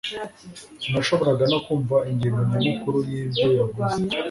sinashoboraga no kumva ingingo nyamukuru y'ibyo yavuze